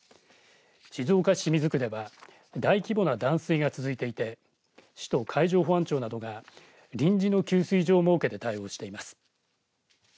静岡市清水区では大規模な断水が続いていて市と海上保安庁などが臨時の給水所を設けて対応しています。